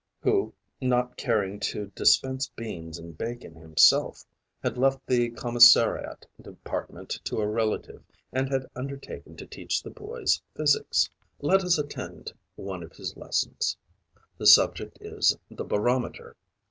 who, not caring to dispense beans and bacon himself, had left the commissariat department to a relative and had undertaken to teach the boys physics. Let us attend one of his lessons. The subject is the barometer.